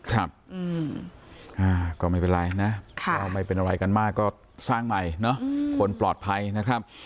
ครับก็ไม่เป็นไรนะก็ไม่เป็นอะไรกันมากก็สร้างใหม่เนอะคนปลอดภัยนะครับ